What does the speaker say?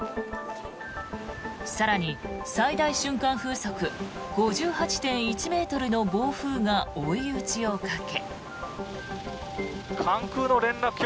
更に、最大瞬間風速５８．１ｍの暴風が追い打ちをかけ。